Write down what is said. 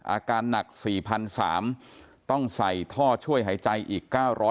อาการหนัก๔๓๐๐ต้องใส่ท่อช่วยหายใจอีก๙๐๐